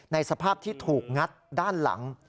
สภาพที่ถูกงัดด้านหลัง